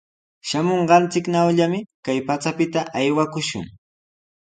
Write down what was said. Shamunqanchiknawllami kay pachapita aywakushun.